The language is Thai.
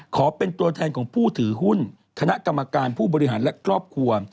ขอเป็นตัวแทนของผู้ถือหุ้นคณะกรรมการผู้บริหารและครอบครัว